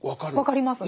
分かりますね。